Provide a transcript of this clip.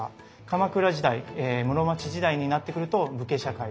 鎌倉時代室町時代になってくると武家社会。